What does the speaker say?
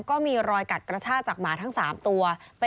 ก็มีรอยกัดกระชากจากหมาทั้ง๓ตัว